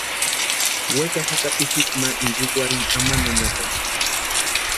Wekaxaka pixiki ma intsïkwarhini ama nanakani.